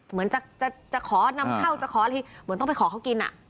เหมือนจะขอนำเข้าจะขออะไรเหมือนต้องไปขอเขากิน